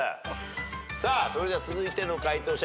さあそれでは続いての解答者